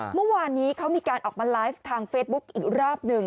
เมื่อวานนี้เขามีการออกมาไลฟ์ทางเฟซบุ๊คอีกรอบหนึ่ง